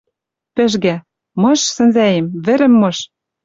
Пӹжгӓ: «Мыш, сӹнзӓэм, вӹрӹм мыш...»